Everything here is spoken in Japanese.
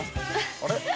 あれ？